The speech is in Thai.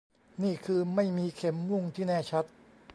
นี่คือไม่มีเข็มมุ่งที่แน่ชัด